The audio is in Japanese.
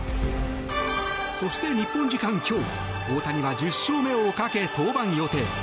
そして日本時間今日大谷は１０勝目をかけ登板予定。